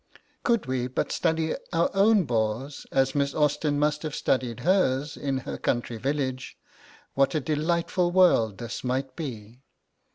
Could we but study our own bores as Miss Austen must have studied hers in her country village, what a delightful world this might be!